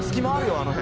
あの辺。